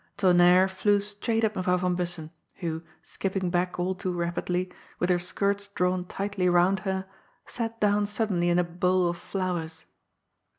Tonnerre flew straight at Mevrouw van Bussen, who, skipping back all too rapidly, with her skirts drawn tightly round her, sat down suddenly in a bowl of flowers.